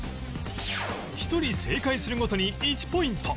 １人正解するごとに１ポイント